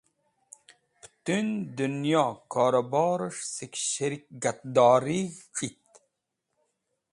Pẽtũn dẽnyo korẽborẽs̃h sẽk shẽrikatdorig̃h c̃hit.